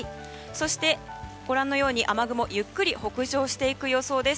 そして、雨雲ゆっくり北上していく予想です。